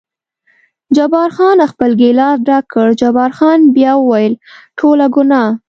جبار خان خپل ګیلاس ډک کړ، جبار خان بیا وویل: ټوله ګناه.